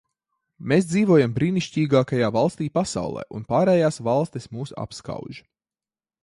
Mēs dzīvojam brīnišķīgākajā valstī pasaulē, un pārējās valstis mūs apskauž.